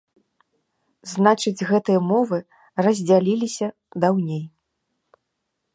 Значыць, гэтыя мовы раздзяліліся даўней.